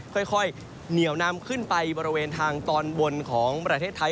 ค่อยเหนียวนำขึ้นไปบริเวณทางตอนบนของประเทศไทย